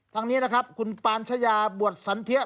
ทางนี้นะครับคุณปานชายาบวชสันเทีย